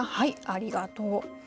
ありがとう。